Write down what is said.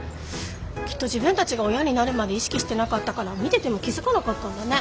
きっと自分たちが親になるまで意識してなかったから見てても気付かなかったんだね。